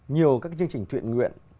nhiều các chương trình thuyện nguyện